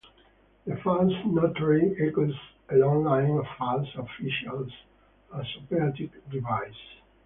The false "Notary" echoes a long line of false officials as operatic devices.